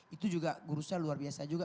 itu juga guru saya luar biasa juga